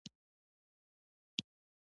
ژباړه یو هنر دی